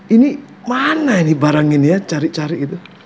ini mana ini barang ini ya cari cari gitu